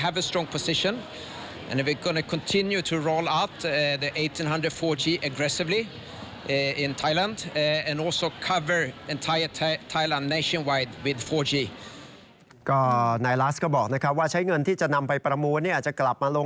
ฟังเสียงของผู้บริหารคนนี้ครับ